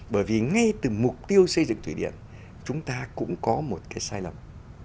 bởi vì ngay từ mục tiêu xây dựng thủy điện chúng ta cũng có một cái sai lầm